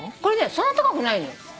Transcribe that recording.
そんな高くないのよ。